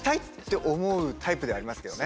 ではありますけどね。